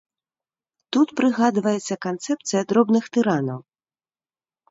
Тут прыгадваецца канцэпцыя дробных тыранаў.